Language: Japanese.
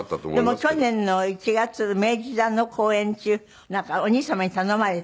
でも去年の１月明治座の公演中なんかお兄様に頼まれて。